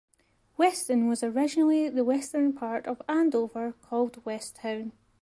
Weston was originally the western part of Andover called West Town.